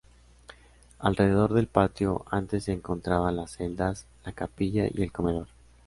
Alrededor del patio, antes se encontraban las celdas, la capilla y el comedor.